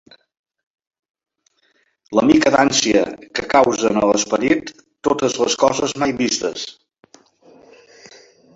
La mica d'ànsia que causen a l'esperit totes les coses mai vistes